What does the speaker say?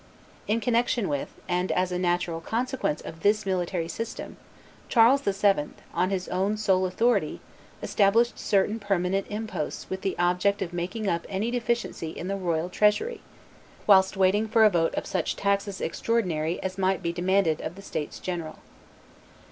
In connection with, and as a natural consequence of this military system, Charles VII., on his own sole authority, established certain permanent imposts with the object of making up any deficiency in the royal treasury, whilst waiting for a vote of such taxes extraordinary as might be demanded of the states general.